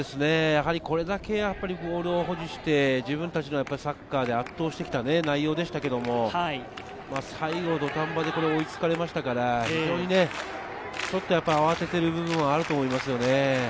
これだけボールを保持して自分たちのサッカーで圧倒してきた内容でしたけど、最後、土壇場で追いつかれましたから、非常に慌てている部分はあると思いますね。